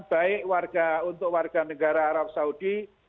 baik untuk warga negara arab saudi